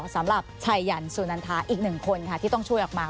สำหรับชัยยันสุนันทาอีกหนึ่งคนค่ะที่ต้องช่วยออกมา